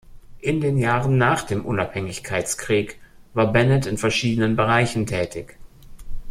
In den Jahren nach dem Unabhängigkeitskrieg war Bennett in verschiedenen Bereichen tätig.